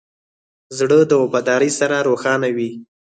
زړه د وفادارۍ سره روښانه وي.